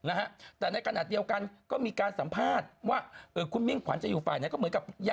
หรือแค่กรรมดาศัพท์กาลเมืองก็จะเป็นอะไร